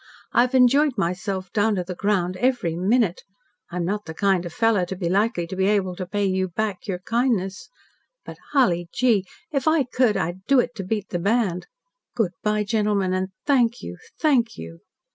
I've enjoyed myself down to the ground, every minute. I'm not the kind of fellow to be likely to be able to pay you back your kindness, but, hully gee! if I could I'd do it to beat the band. Good bye, gentlemen and thank you thank you."